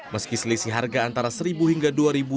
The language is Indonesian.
meski selisih harga antara rp satu hingga rp dua